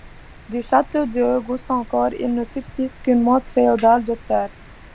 Du château de Goussancourt, il ne subsiste qu'une motte féodale de terre.